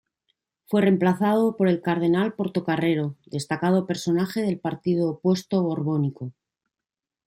Fue reemplazado por el cardenal Portocarrero, destacado personaje del partido opuesto borbónico.